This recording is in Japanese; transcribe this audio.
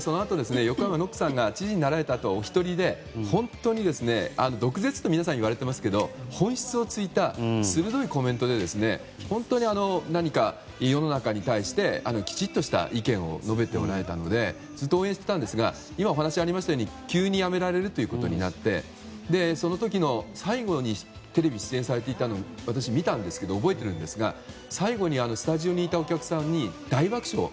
そのあと、横山ノックさんが知事になられたあとはお一人で毒舌って皆さん言われていますけど本質を突いた鋭いコメントで本当に何か、世の中に対してきちっとした意見を述べておられたのでずっと応援していたんですが今、お話がありましたように急に辞められることになってその時、最後にテレビに出演されていたのを私見たんですけど覚えているんですが最後にスタジオにいたお客さんに大爆笑を。